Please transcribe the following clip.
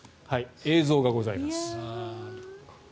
映像がございます。